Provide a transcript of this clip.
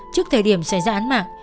trước thời điểm xảy ra án mạng